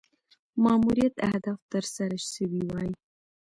ماموریت اهداف تر سره سوي وای.